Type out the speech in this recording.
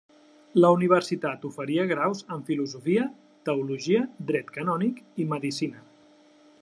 La universitat oferia graus en filosofia, teologia, dret canònic i medicina.